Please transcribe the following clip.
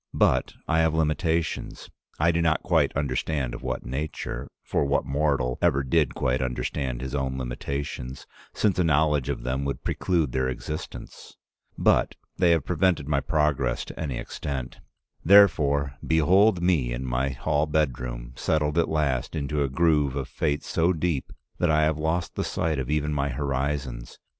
But I have limitations, I do not quite understand of what nature — for what mortal ever did quite understand his own limitations, since a knowledge of them would preclude their existence? — but they have prevented my progress to any extent. Therefore behold me in my hall bedroom, settled at last into a groove of fate so deep that I have lost the sight of even my horizons.